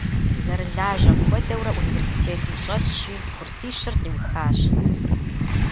Зэрылажьэм хуэдэурэ университетым щӏэсщи, курсищыр къиухащ.